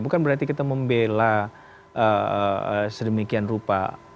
bukan berarti kita membela sedemikian rupa